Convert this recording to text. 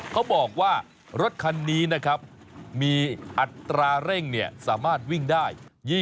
เขาบอกว่ารถคันนี้นะครับมีอัตราเร่งสามารถวิ่งได้